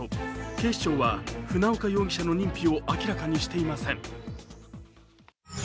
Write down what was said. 警視庁は船岡容疑者の認否を明らかにしていません。